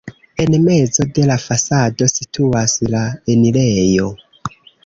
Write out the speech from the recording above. En mezo de la fasado situas la enirejo.